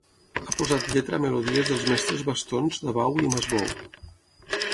Ha posat lletra a melodies dels mestres Bastons, Dabau i Mas Bou.